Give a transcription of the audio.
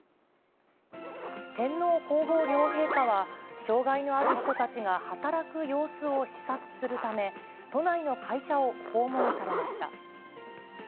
天皇皇后両陛下は、障がいのある人たちが働く様子を視察するため、都内の会社を訪問されました。